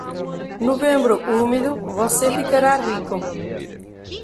Novembro úmido, você ficará rico.